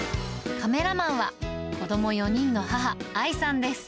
カメラマンは、子ども４人の母、あいさんです。